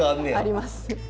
あります。